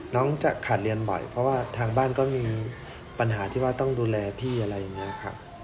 จะขาดเรียนบ่อยเพราะว่าทางบ้านก็มีปัญหาที่ว่าต้องดูแลพี่อะไรอย่างนี้ครับ